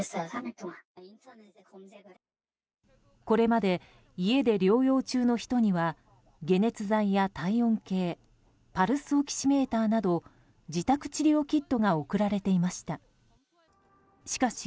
これまで家で療養中の人には解熱剤や体温計パルスオキシメーターなど自宅治療キットが送られていました。